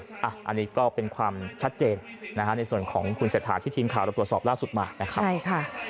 นะฮะอันนี้ก็เป็นความชัดเจนในส่วนของคุณเศรษฐานที่ทีมข่าวเราปรวจสอบล่าสุดมากนะครับ